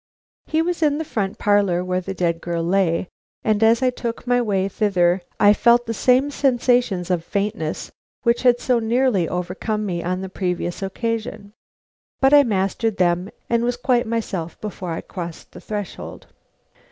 He was in the front parlor where the dead girl lay, and as I took my way thither I felt the same sensations of faintness which had so nearly overcome me on the previous occasion. But I mastered them, and was quite myself before I crossed the threshold.